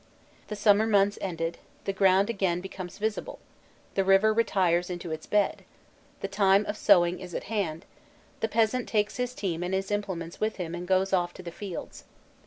The summer months ended, the ground again becomes visible, the river retires into its bed, the time of sowing is at hand: the peasant takes his team and his implements with him and goes off to the fields.